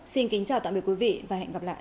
xin kính chào tạm biệt quý vị và hẹn gặp lại